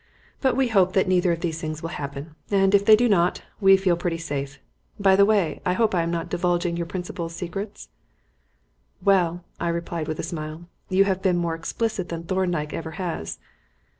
But we hope that neither of these things will happen, and, if they do not, we feel pretty safe. By the way, I hope I am not divulging your principal's secrets?" "Well," I replied, with a smile, "you have been more explicit than Thorndyke ever has."